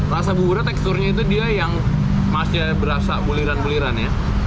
rasa buburnya teksturnya itu dia yang masih berasa guliran buliran ya